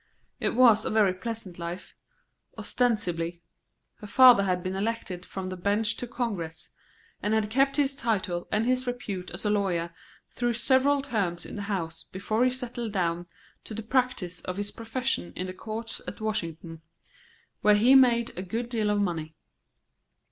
It was a very pleasant life, ostensibly. Her father had been elected from the bench to Congress, and had kept his title and his repute as a lawyer through several terms in the House before he settled down to the practice of his profession in the courts at Washington, where he made a good deal of money.